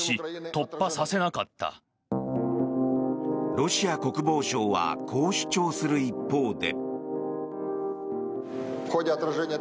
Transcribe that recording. ロシア国防省はこう主張する一方で。